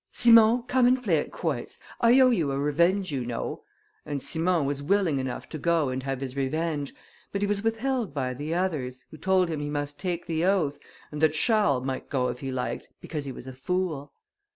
Simon, come and play at quoits; I owe you a revenge, you know," and Simon was willing enough to go and have his revenge; but he was withheld by the others, who told him he must take the oath, and that Charles might go if he liked, because he was a fool.